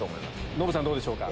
ノブさんどうでしょうか？